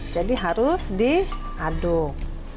jadi harus diaduk